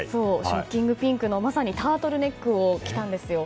ショッキングピンクの、まさにタートルネックを着たんですよ。